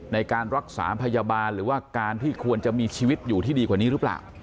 ในการรักษาพยาบาลหรือว่าการที่ควรจะมีชีวิตอยู่ที่ดีกว่านี้หรือเปล่า